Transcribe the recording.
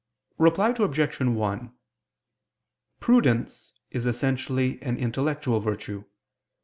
Reply Obj. 1: Prudence is essentially an intellectual virtue.